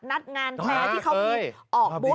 นัดงานแพทย์ที่เขาออกบูธ